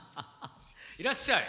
いらっしゃい！